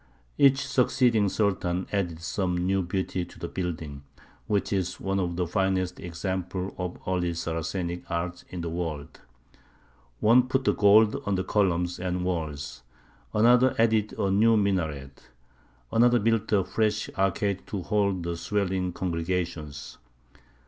Each succeeding Sultan added some new beauty to the building, which is one of the finest examples of early Saracenic art in the world. One put the gold on the columns and walls; another added a new minaret; another built a fresh arcade to hold the swelling congregations.